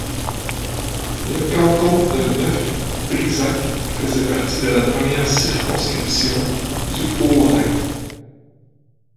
Le canton de Neuf-Brisach faisait partie de la première circonscription du Haut-Rhin.